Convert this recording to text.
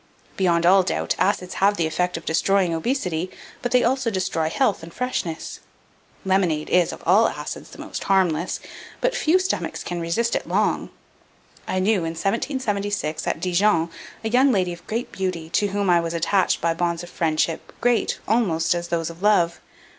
Beyond all doubt, acids have the effect of destroying obesity; but they also destroy health and freshness. Lemonade is, of all acids, the most harmless; but few stomachs can resist it long. I knew, in 1776, at Dijon, a young lady of great beauty, to whom I was attached by bonds of friendship, great, almost as those of love.